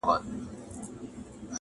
درې ملګري وه یو علم بل عزت وو-